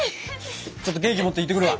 ちょっとケーキ持っていってくるわ。